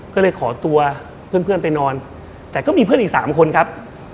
ก็เลยขอตัวเพื่อนไปนอนแต่ก็มีเพื่อนอีก๓คนครับ